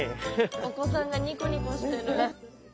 お子さんがニコニコしてる。